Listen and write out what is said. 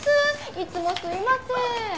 いつもすいません。